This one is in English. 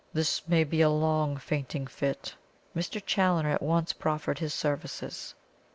"This may be a long fainting fit." Mr. Challoner at once proffered his services.